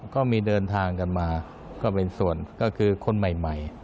ก็มีเดินทางกันมาก็เป็นส่วนก็คือคนใหม่